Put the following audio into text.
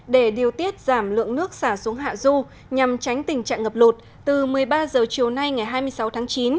để điều tiết giảm lượng nước xả xuống hạ du nhằm tránh tình trạng ngập lụt từ một mươi ba h chiều nay ngày hai mươi sáu tháng chín